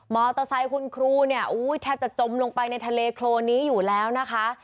มอเตอร์ไซค์คุณครูแทบจะจมลงไปในทะเลโครนนี้อยู่แล้วนะคะ